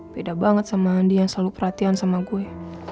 beda banget sama andi yang selalu perhatian sama gue